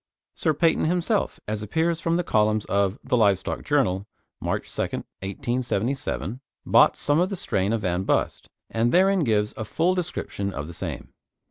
Sir Paynton himself, as appears from the columns of The Live Stock Journal (March 2nd, 1877), bought some of the strain of Van Bust, and therein gives a full description of the same.